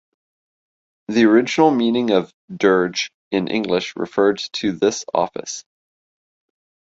The original meaning of "dirge" in English referred to this office.